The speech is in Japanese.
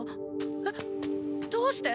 えっどうして？